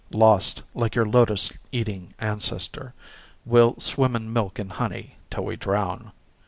Lost, like your lotus eating ancestor, We'll swim in milk and honey till we drown.